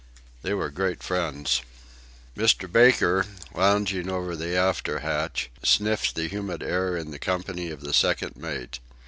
They were great friends. Mr. Baker, lounging over the after hatch, sniffed the humid night in the company of the second mate.